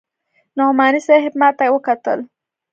نعماني صاحب ما ته وکتل.